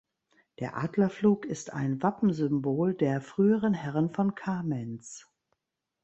Der Adlerflug ist ein Wappensymbol der früheren Herren von Kamenz.